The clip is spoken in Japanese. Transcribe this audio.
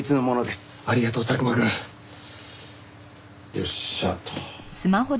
よっしゃと。